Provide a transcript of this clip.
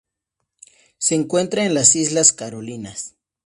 Se encuentra en las Islas Carolinas.